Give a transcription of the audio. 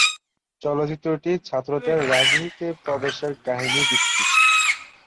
চলচ্চিত্র টি ছাত্রদের রাজনীতিতে প্রবেশের কাহিনী ভিত্তিক।